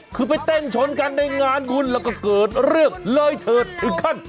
คือไปเต้นชนกันในงานบุญแล้วก็เกิดเรื่องเลยเถิดถึงขั้น